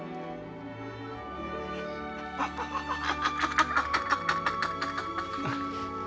ハハハハハ。